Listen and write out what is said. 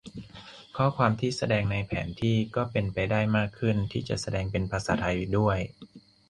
ข้อความที่แสดงในแผนที่ก็เป็นไปได้มากขึ้นที่จะแสดงเป็นภาษาไทยด้วย